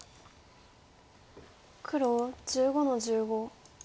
黒１５の十五。